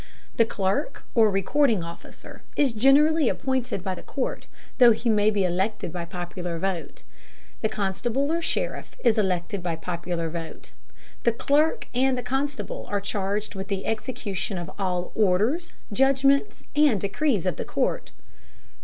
The clerk, or recording officer, is generally appointed by the court, though he may be elected by popular vote. The constable or sheriff is elected by popular vote. The clerk and the constable are charged with the execution of all orders, judgments, and decrees of the court.